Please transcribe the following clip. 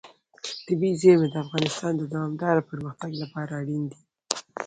طبیعي زیرمې د افغانستان د دوامداره پرمختګ لپاره اړین دي.